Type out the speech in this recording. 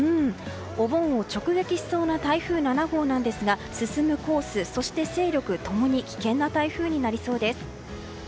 お盆を直撃しそうな台風７号なんですが進むコース、勢力共に危険な台風になりそうです。